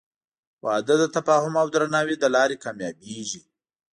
• واده د تفاهم او درناوي له لارې کامیابېږي.